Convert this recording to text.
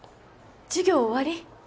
授業終わり？